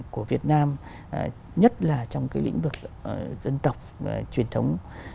của việt nam nhất là trong cái lĩnh vực dân tộc truyền thống